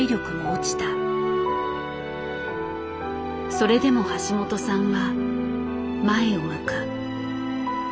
それでも橋本さんは前を向く。